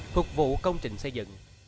phục vụ công trình xây dựng